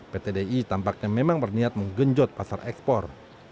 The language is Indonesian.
pt di tampaknya memang berniat menggenjot pasar ekspor